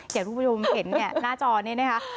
อย่างที่คุณผู้ชมเห็นเนี่ยหน้าจอนี้นะคะ